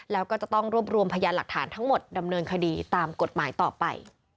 แล้วก็จะต้องรวบรวมพยานหลักฐานทั้งหมดดำเนินคดีตามกฎหมายต่อไป